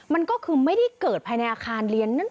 มันก็คือไม่ได้เกิดภายในอาคารเรียนนั่น